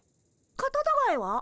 カタタガエは？